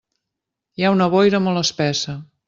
Hi ha una boira molt espessa.